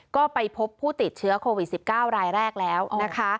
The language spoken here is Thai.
ก็ไปพบผู้ติดเชื้อโควิด๑๙รายแรกแล้วนะคะ